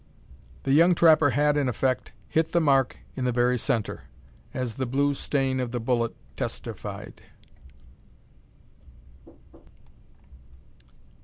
The young trapper had, in effect, hit the mark in the very centre, as the blue stain of the bullet testified.